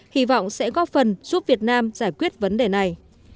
hy vọng sẽ góp phần giúp việt nam giải quyết vấn đề này